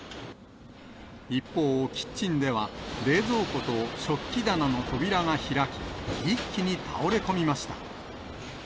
一方、キッチンでは、冷蔵庫と食器棚の扉が開き、一気に倒れ込みました。